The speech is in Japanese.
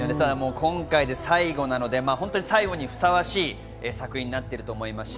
今回で最後なので、最後にふさわしい作品になっていると思います。